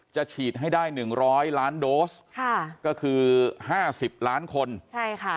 ฉีดให้ได้หนึ่งร้อยล้านโดสค่ะก็คือห้าสิบล้านคนใช่ค่ะ